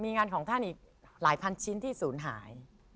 มีงานของท่านอีกหลายพันชิ้นที่ศูนย์หาย